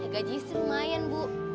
gaji sih lumayan bu